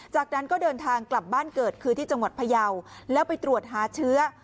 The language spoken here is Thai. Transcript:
จากนั้นก็เดินทางกลับบ้านเกิดคือที่จังหวัดพยาวแล้วไปตรวจหาเชื้อ